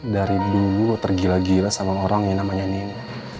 dari dulu tergila gila sama orang yang namanya nino